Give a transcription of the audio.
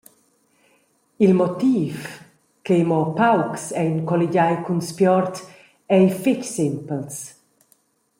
Il motiv che mo paucs ein colligiai cun Spiord ei fetg sempels.